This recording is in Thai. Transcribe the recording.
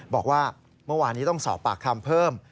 บอกว่าเมื่อวานนี้ต้องสอบปากคำเพิ่ม